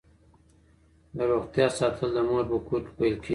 د روغتیا ساتل د مور په کور کې پیل کیږي.